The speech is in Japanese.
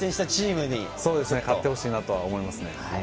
勝ってほしいと思っています。